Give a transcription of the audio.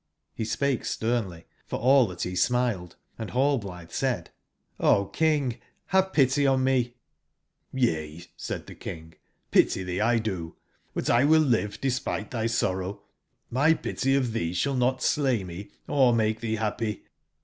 j0 Re spake sternly for all that he smiled, and Rallblithe said: " O King, have pity on me I "j^" Y^a," said the King ; "pity thee 1 do: but 1 will live despite thy sorrow; my pity of theeshallnotslayme, ormakethee happy.